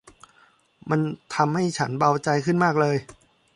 มันทำให้ฉันเบาใจขึ้นมากเลย